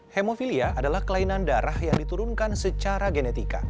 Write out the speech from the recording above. hemofilia adalah kelainan darah yang diturunkan secara genetika